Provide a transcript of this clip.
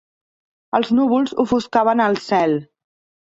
Els núvols ofuscaven el cel.